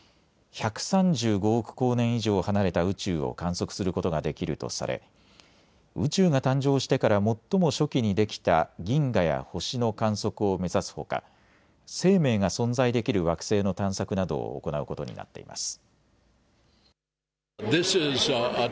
１３５億光年以上離れた宇宙を観測することができるとされ、宇宙が誕生してから最も初期に出来た銀河や星の観測を目指すほか生命が存在できる惑星の探索などを行うことになっています。